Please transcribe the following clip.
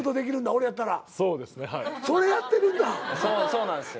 そうなんですよ。